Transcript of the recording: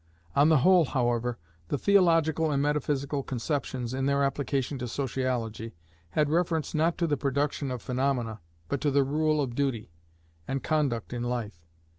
On the whole, however, the theological and metaphysical conceptions, in their application to sociology, had reference not to the production of phaenomena, but to the rule of duty, and conduct in life.